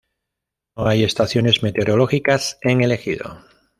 No hay estaciones meteorológicas en el ejido.